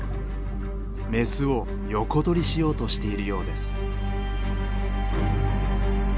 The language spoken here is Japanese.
メスを横取りしようとしているようです。